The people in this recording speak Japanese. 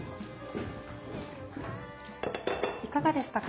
いかがでしたか？